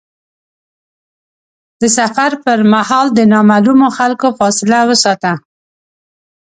د سفر پر مهال له نامعلومو خلکو فاصله وساته.